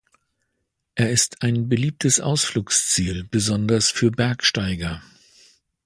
Er ist ein beliebtes Ausflugsziel, besonders für Bergsteiger.